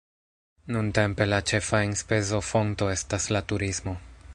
Nuntempe la ĉefa enspezofonto estas la turismo.